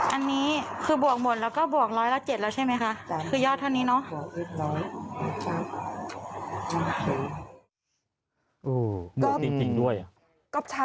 อันนี้คือบวกหมดแล้วก็บวกร้อยละ๗แล้วใช่ไหมคะคือยอดเท่านี้เนาะ